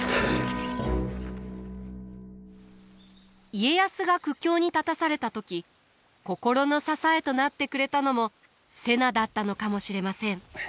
家康が苦境に立たされた時心の支えとなってくれたのも瀬名だったのかもしれません。